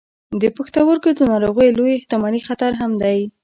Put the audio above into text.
د پښتورګو د ناروغیو لوی احتمالي خطر هم دی.